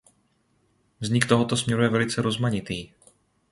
Vznik tohoto směru je velice rozmanitý.